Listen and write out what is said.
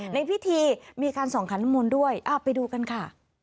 ในพิธีมีการส่องขันน้ำมนต์ด้วยไปดูกันค่ะ